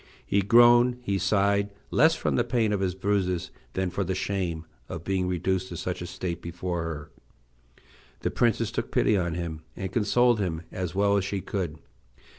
He groaned, he sighed, less from the pain of his bruises than for the shame of being reduced to such a state before her. The princess took pity on him, and consoled him as well as she could.